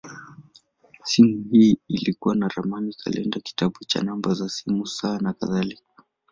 Simu hii ilikuwa na ramani, kalenda, kitabu cha namba za simu, saa, nakadhalika.